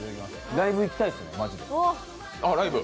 ライブ行きたいです、マジで。